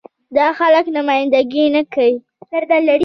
دا خلک نماينده ګي نه کوي.